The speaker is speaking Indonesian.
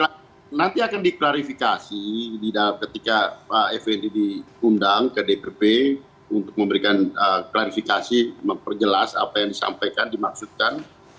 nah nanti akan diklarifikasi ketika pak effendi diundang ke dpp untuk memberikan klarifikasi memperjelas apa yang disampaikan dimaksudkan